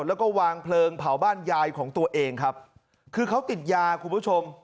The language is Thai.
แล้วก็วางเพลิงเผาบ้านยายของตัวเองครับคือเขาติดยาคุณผู้ชม